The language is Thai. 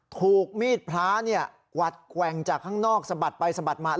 ถูกมีดพระกวัดแกว่งจากข้างนอกสะบัดไปสะบัดมา